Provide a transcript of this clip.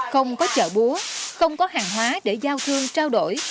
không có chợ búa không có hàng hóa để giao thương trao đổi